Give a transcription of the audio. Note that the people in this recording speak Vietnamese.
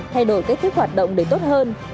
thay đổi cách thức hoạt động để tốt hơn